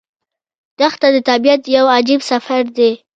دښته د طبیعت یو عجیب سفر دی.